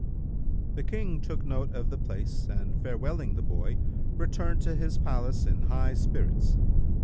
The King took note of the place and farewelling the boy, returned to his palace in high spirits.